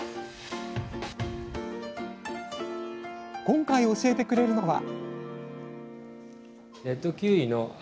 今回教えてくれるのは？